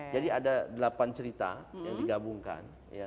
jadi ada delapan cerita yang digabungkan